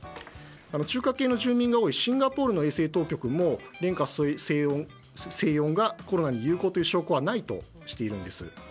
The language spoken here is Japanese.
中華系の住民が多いシンガポールの衛生当局も連花清おんがコロナに有効という証拠はないとしているんです。